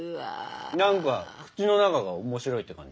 何か口の中が面白いって感じ。